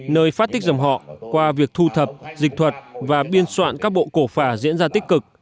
nơi phát tích dòng họ qua việc thu thập dịch thuật và biên soạn các bộ cổ phả diễn ra tích cực